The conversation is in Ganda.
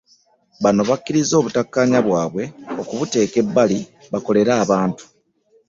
Bano bakkirizza obutakkaanya bwabwe okubuteeka ebbali bakolere abantu